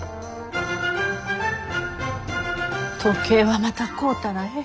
時計はまた買うたらえい。